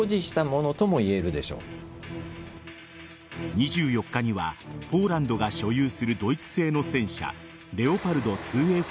２４日にはポーランドが所有するドイツ製の戦車レオパルド２Ａ４